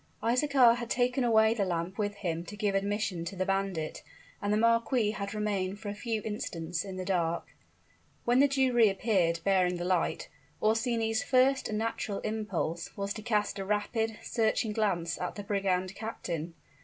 Isaachar had taken away the lamp with him to give admission to the bandit, and the marquis had remained for a few instants in the dark. When the Jew reappeared, bearing the light, Orsini's first and natural impulse was to cast a rapid, searching glance at the brigand captain.